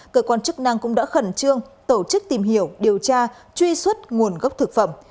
cơ quan chức năng cũng đã khẩn trương tổ chức tìm hiểu điều tra truy xuất nguồn gốc thực phẩm